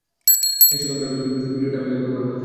নিশ্চয়ই, ক্যামেরাগুলোর ভিডিয়োর টাইমিং এ গড়বড় হয়েছে।